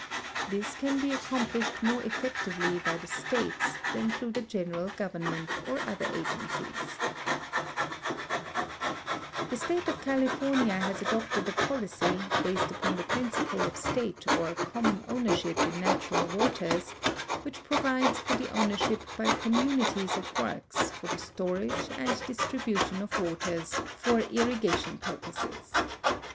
This can be accomplished more effectively by the states than through the general government or other agencies. I THE UTILIZATION OF THE VACANT PUBLIC LANDS 55 The state of California lias adopted a ])olicy, based upon the principle of state or coninion ownership in natural waters, which provides for the ownershi() by conmumities of works for the stor age and distribution of waters for irrigation [jurposes.